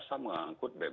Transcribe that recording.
mereka sudah menangkap bbm